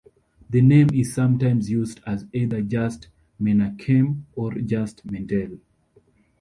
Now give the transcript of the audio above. The name is sometimes used as either just Menachem or just Mendel.